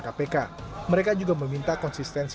kpk mereka juga meminta konsistensi